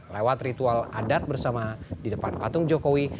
lewat ritual adat bersama di depan patung jokowi